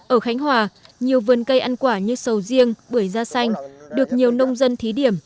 ở khánh hòa nhiều vườn cây ăn quả như sầu riêng bưởi da xanh được nhiều nông dân thí điểm